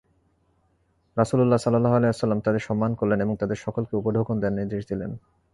রাসূলুল্লাহ সাল্লাল্লাহু আলাইহি ওয়াসাল্লাম তাদের সম্মান করলেন এবং তাদের সকলকে উপঢৌকন দেয়ার নির্দেশ দিলেন।